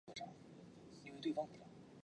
仁义镇为湖南省桂阳县所辖镇。